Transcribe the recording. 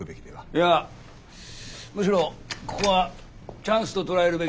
いやむしろここはチャンスと捉えるべきでしょう。